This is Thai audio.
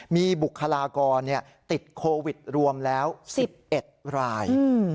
มีบุคลากรติดโควิดรวมแล้ว๑๑ราย